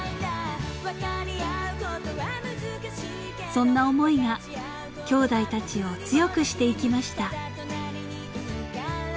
［そんな思いがきょうだいたちを強くしていきました］